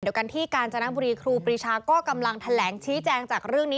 เดี๋ยวกันที่กาญจนบุรีครูปรีชาก็กำลังแถลงชี้แจงจากเรื่องนี้